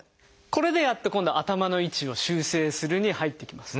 これでやっと今度「頭の位置を修正する」に入っていきます。